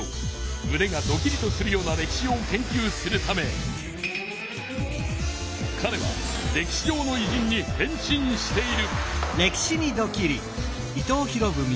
むねがドキリとするような歴史を研究するためかれは歴史上のいじんに変身している。